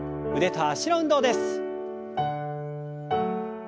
腕と脚の運動です。